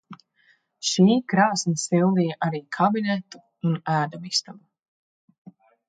"Šī krāsns sildīja arī "kabinetu" un ēdamistabu."